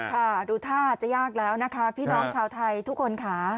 ค่ะดูท่าจะยากแล้วนะคะพี่น้องชาวไทยทุกคนค่ะ